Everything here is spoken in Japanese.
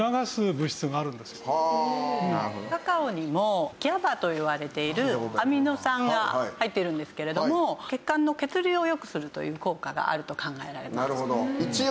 カカオにもＧＡＢＡといわれているアミノ酸が入っているんですけれども血管の血流を良くするという効果があると考えられます。